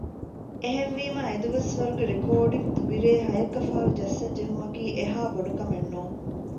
އެހެންވީމާ އެދުވަސްވަރުގެ ރެކޯޑިންގ ދުވި ރޭ ހަޔެއްކަފަހަރު ޖައްސަން ޖެހުމަކީ އެހާ ބޮޑުކަމެއް ނޫން